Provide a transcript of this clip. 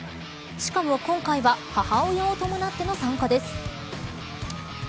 しかも今回は母親を伴っての参加です。